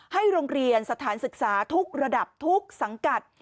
ให้โรงเรียนสถานศึกษาทุกระดับทุกสังกัด